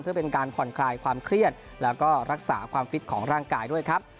เพื่อเป็นการผ่อนคลายความเครียดแล้วก็รักษาความฟิตของร่างกายด้วยครับ